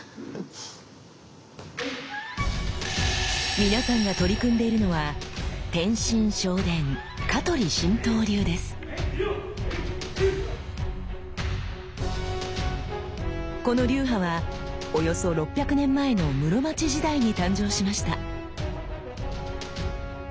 皆さんが取り組んでいるのはこの流派はおよそ６００年前の室町時代に誕生しました。